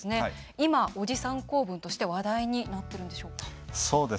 今、おじさん構文として話題になってるんでしょうか？